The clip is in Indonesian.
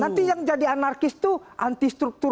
nanti yang jadi anarkis itu antistruktur